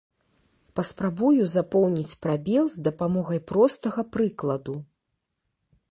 Паспрабую запоўніць прабел з дапамогай простага прыкладу.